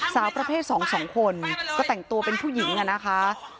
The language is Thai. สาวประเภท๒๒คนก็แต่งตัวเป็นผู้หญิงอะนะคะ